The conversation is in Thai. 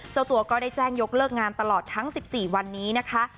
เจ้าตัวก็ได้แจ้งยกเลิกงานตลอดทั้ง๑๔วันนี้นะคะ